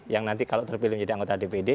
yang nanti kalau terpilih menjadi anggota dpd